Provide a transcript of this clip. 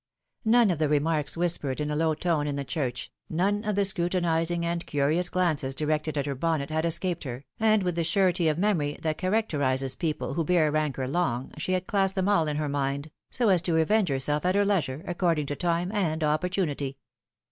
None of the remarks whispered in a low tone in the church, none of the scrutinizing and curious glances directed at her bonnet, had escaped her, and with the surety of memory that characterizes people who bear rancor long, she had classed then! all in her mind, so as to revenge herself at her leisure, according to time and opportunity.